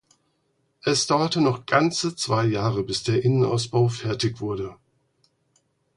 Es dauerte noch ganze zwei Jahre bis der Innenausbau fertig wurde.